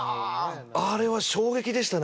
あれは衝撃でしたね